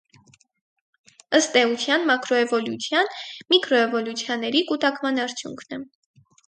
Ըսկ էությանէ մակրոէվոլյուցիան՝ միկրոէվոլյուցիաների կուտակման արդյունքն է։